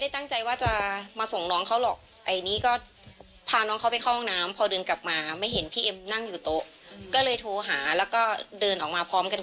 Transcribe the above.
ที่สีภากกันเมาโฆกาล